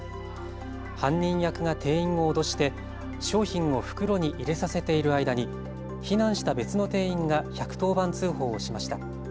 犯人役が店員を脅して商品を袋に入れさせている間に避難した別の店員が１１０番通報をしました。